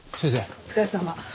お疲れさま。